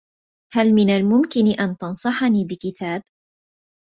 هل من الممكن أن تنصحني بكتاب؟